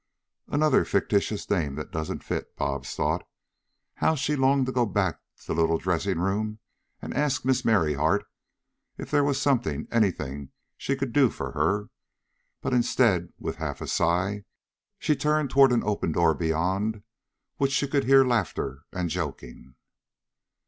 "Another fictitious name that doesn't fit," Bobs thought. How she longed to go back to the little dressing room and ask Miss Merryheart if there was something, anything she could do for her; but instead, with a half sigh, she turned toward an open door beyond which she could hear laughter and joking.